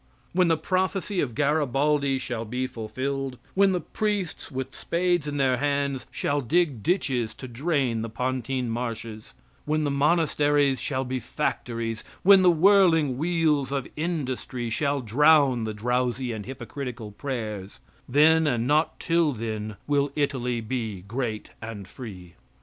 When the prophecy of Garibaldi shall be fulfilled, when the priests, with spades in their hands, shall dig ditches to drain the Pontine marshes, when the monasteries shall be factories, when the whirling wheels of industry shall drown the drowsy and hypocritical prayers, then and not till then, will Italy be great and free.